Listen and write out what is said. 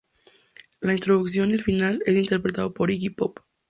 La introducción y el final es interpretado por Iggy Pop.